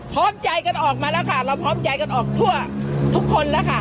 พร้อมใจกันออกมาแล้วค่ะเราพร้อมใจกันออกทั่วทุกคนแล้วค่ะ